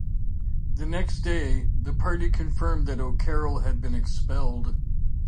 The next day, the party confirmed that O'Carroll had been expelled.